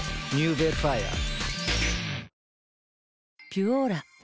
「ピュオーラ」